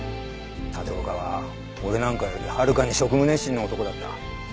立岡は俺なんかよりはるかに職務熱心な男だった。